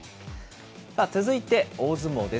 さあ、続いて大相撲です。